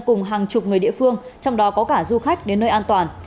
cùng hàng chục người địa phương trong đó có cả du khách đến nơi an toàn